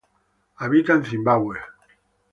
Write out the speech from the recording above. Habita en Zimbabue.